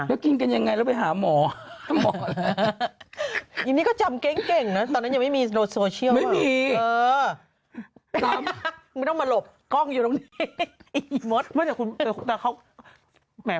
อันนั้นช่วงจังหวัดใหญ่ของภาคอีสาน